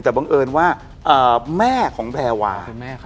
แต่บังเอิญว่าแม่ของแพรวา